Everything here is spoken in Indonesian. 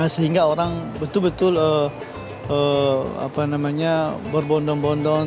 sehingga orang betul betul berbondong bondong